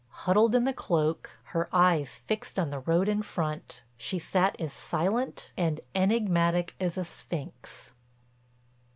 Huddled in the cloak, her eyes fixed on the road in front, she sat as silent and enigmatic as a sphinx.